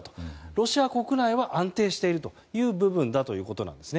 ロシア国内は安定しているという部分だということです。